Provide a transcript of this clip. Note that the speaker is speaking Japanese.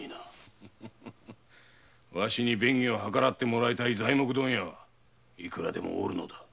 わしに便宜を図らってもらいたい材木問屋はいくらでもおるのだ。